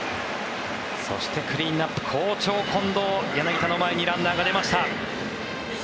そして、クリーンアップ好調の近藤、柳田の前にランナーが出ました。